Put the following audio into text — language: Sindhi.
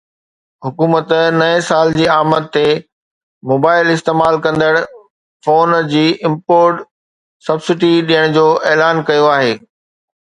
حڪومت نئين سال جي آمد تي موبائيل استعمال ڪندڙن لاءِ فون جي امپورٽ سبسڊي ڏيڻ جو اعلان ڪيو آهي